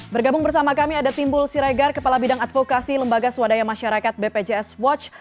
bergabung bersama kami ada timbul siregar kepala bidang advokasi lembaga swadaya masyarakat bpjs watch